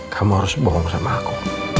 kamu harus bohong sama aku